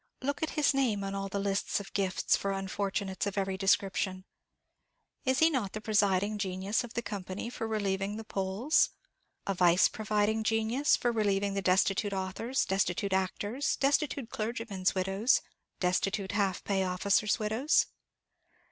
Look at his name on all the lists of gifts for unfortunates of every description. Is he not the presiding genius of the company for relieving the Poles? a vice presiding genius for relieving destitute authors, destitute actors, destitute clergymen's widows, destitute half pay officers' widows?